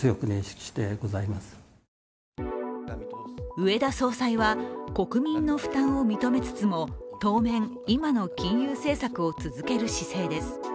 植田総裁は国民の負担を認めつつも当面、今の金融政策を続ける姿勢です。